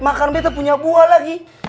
makan bete punya buah lagi